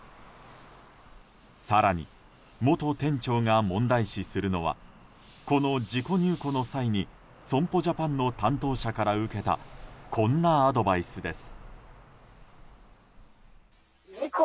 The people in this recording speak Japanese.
更に、元店長が問題視するのはこの事故入庫の際に損保ジャパンの担当者から受けたこんなアドバイスです。